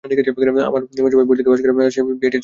আমার মেজ ভাই বুয়েট থেকে পাস করে রাজশাহী বিআইটির টিচার হলেন।